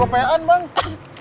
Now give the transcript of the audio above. wah banyak banget gua p an bang